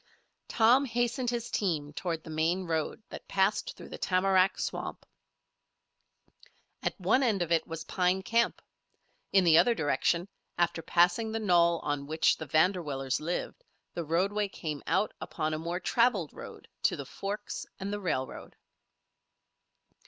Tom hastened his team toward the main road that passed through the tamarack swamp. At one end of it was Pine Camp; in the other direction, after passing the knoll on which the Vanderwillers lived, the roadway came out upon a more traveled road to the forks and the railroad.